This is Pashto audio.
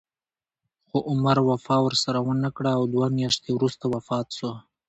خو عمر وفا ورسره ونه کړه او دوه میاشتې وروسته وفات شو.